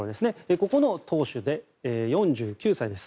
ここの党首で４９歳です。